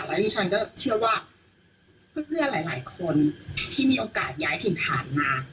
แล้วดิฉันก็เชื่อว่าเพื่อนหลายคนที่มีโอกาสย้ายถิ่นฐานมา